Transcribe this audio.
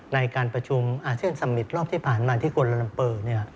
ในการประชุมอาเซียนสมิตรรอบที่ผ่านมาที่กลลัมเปอร์